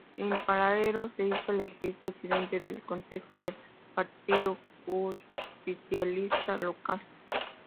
En paralelo, se hizo elegir presidente del Consejo del Partido Justicialista local.